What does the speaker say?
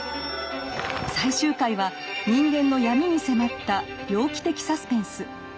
最終回は人間の闇に迫った「猟奇的サスペンス」。